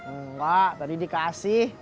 enggak tadi dikasih